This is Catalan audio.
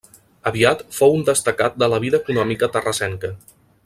Aviat fou un destacat de la vida econòmica terrassenca.